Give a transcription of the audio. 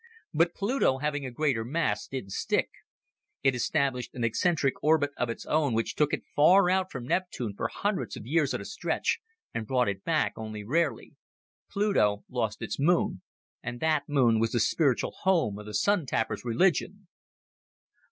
But Pluto, having a greater mass, didn't stick. It established an eccentric orbit of its own which took it far out from Neptune for hundreds of years at a stretch and brought it back only rarely. Pluto lost its moon. And that moon was the spiritual home of the Sun tappers' religion."